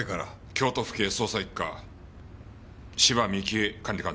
京都府警捜査一課芝美紀江管理官です。